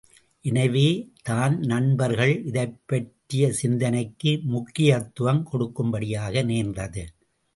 எனவே, தான் நண்பர்கள் இதைப் பற்றிய சிந்தனைக்கு முக்கியத்துவம் கொடுக்கும்படியாக நேர்ந்தது.